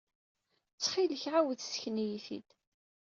Ttxil-k, ɛawed ssken-iyi-t-id.